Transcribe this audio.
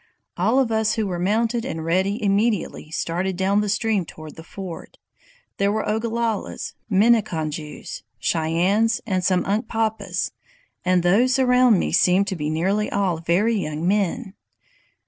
"All of us who were mounted and ready immediately started down the stream toward the ford. There were Ogallalas, Minneconjous, Cheyennes, and some Unkpapas, and those around me seemed to be nearly all very young men.